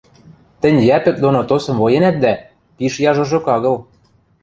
Тӹнь Йӓпӹк доно тосым военӓт дӓ, пиш яжожок агыл.